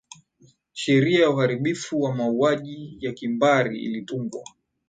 sheria ya uharibifu wa mauaji ya kimbari ilitungwa